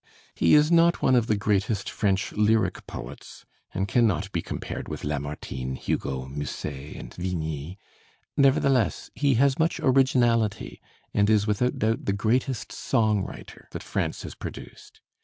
He is not one of the greatest French lyric poets, and cannot be compared with Lamartine, Hugo, Musset, and Vigny; nevertheless he has much originality, and is without doubt the greatest song writer that France has produced.